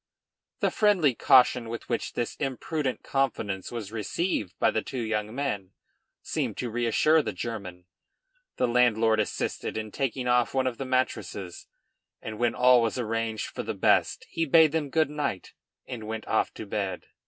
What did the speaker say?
The friendly caution with which this imprudent confidence was received by the two young men, seemed to reassure the German. The landlord assisted in taking off one of the mattresses, and when all was arranged for the best he bade them good night and went off to bed.